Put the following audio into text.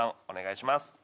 お願いします